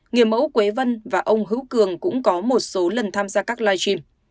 người mẫu quế vân và ông hữu cường cũng có một số lần tham gia các live stream